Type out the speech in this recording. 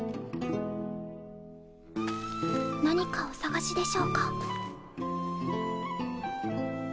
何かお探しでしょうか？